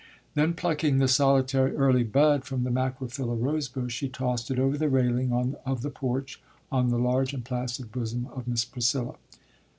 Then plucking the solitary early bud from the microphylla rose bush, she tossed it over the railing of the porch on the large and placid bosom of Miss Priscilla.